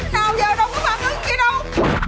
cái nào giờ đâu có phản ứng gì đâu